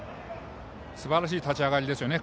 すばらしい立ち上がりです。